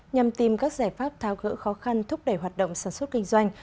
nhằm tìm các giải pháp tháo gỡ khó khăn thúc đẩy hoạt động sản xuất kinh doanh